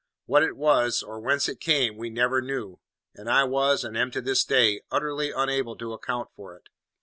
What it was, or whence it came, we never knew, and I was, and am to this day, utterly unable to account for it.